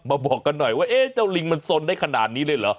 บอกกันหน่อยว่าเอ๊ะเจ้าลิงมันสนได้ขนาดนี้เลยเหรอ